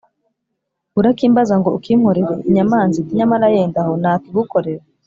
urakimbaza ko ukinkorere?’ inyamanza iti ‘nyamara yenda aho nakigukorera.’